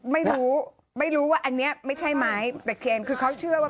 ไม่รู้ไม่รู้ว่าอันนี้ไม่ใช่ไม้แต่เคนคือเขาเชื่อว่า